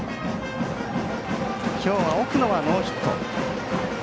きょう奥野はノーヒット。